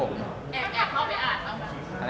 แอบเข้าไปอ่านต้องกัน